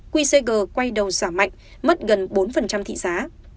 quy sager quay đầu giảm mạnh mất gần bốn thị giá